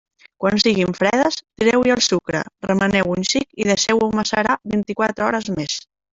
Quan siguin fredes, tireu-hi el sucre, remeneu-ho un xic i deixeu-ho macerar vint-i-quatre hores més.